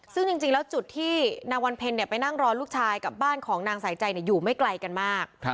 ซึ่งจริงแล้วจุดที่นางวันเพ็ญไปนั่งรอลูกชายกับบ้านของนางสายใจอยู่ไม่ไกลกันมาก